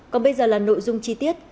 còn bây giờ là nội dung chi tiết